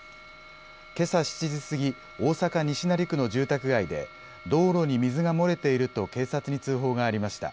けさ７時過ぎ、大阪・西成区の住宅街で、道路に水が漏れていると警察に通報がありました。